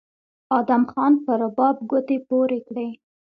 ادم خان په رباب ګوتې پورې کړې